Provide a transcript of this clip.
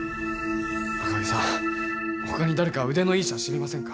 赤城さんほかに誰か腕のいい医者知りませんか？